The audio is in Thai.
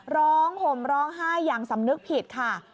ห่มร้องไห้อย่างสำนึกผิดค่ะ